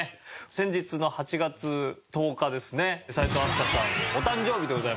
先日の８月１０日ですね齋藤飛鳥さんお誕生日でございました。